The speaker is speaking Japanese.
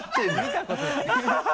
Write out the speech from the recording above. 見たことない